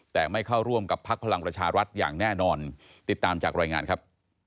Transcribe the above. แต่ไม่เข้าร่วมกับพักพลังประชารัฐอย่างแน่นอนติดตามจากรายงานครับ